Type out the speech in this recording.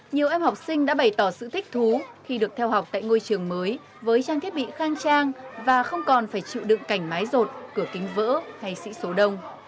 nhiều em học sinh đã bày tỏ sự thích thú khi được theo học tại ngôi trường mới với trang thiết bị khang trang và không còn phải chịu đựng cảnh mái rột cửa kính vỡ hay sĩ số đông